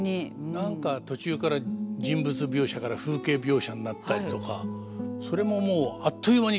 何か途中から人物描写から風景描写になったりとかそれももうあっという間に変わるっていうのがすごいですね。